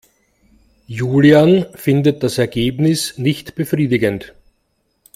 Julian findet das Ergebnis nicht befriedigend.